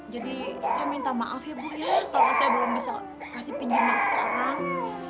jadi saya minta maaf ya bu kalau saya belum bisa kasih pinjaman sekarang